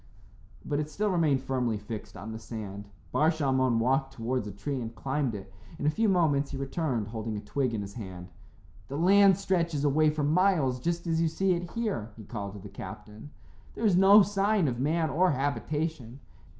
But it still remained firmly fixed on the sand. Bar Shalmon walked towards a tree and climbed it. In a few moments he returned, holding a twig in his hand. "The land stretches away for miles just as you see it here," he called to the captain. "There is no sign of man or habitation."